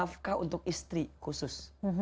nafkah untuk istri khusus